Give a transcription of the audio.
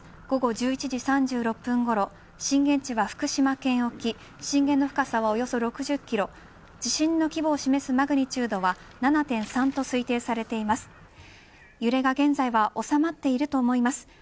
午後１１時３６分ごろ震源地は福島県沖震源の深さはおよそ６０キロ地震の規模を示すマグニチュードは７．３と推定されています。